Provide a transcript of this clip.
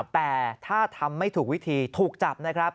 แต่ถ้าทำไม่ถูกวิธีถูกจับนะครับ